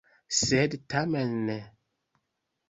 Sed tamen ne!